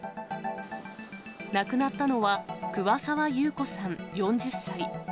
亡くなったのは、桑沢優子さん４０歳。